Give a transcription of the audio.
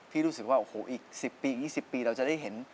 พี่รู้สึกว่าอีก๑๐ปีอีก๒๐ปีเราจะได้เห็น